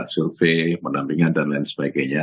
survei pendampingan dan lain sebagainya